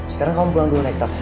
sekarang kamu pulang dulu naik taksi